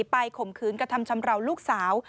ข่มขืนกระทำชำราวลูกสาว